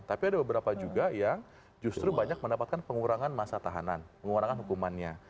tapi ada beberapa juga yang justru banyak mendapatkan pengurangan masa tahanan pengurangan hukumannya